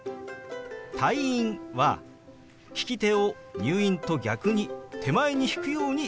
「退院」は利き手を「入院」と逆に手前に引くように動かしますよ。